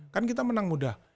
kan kita menang mudah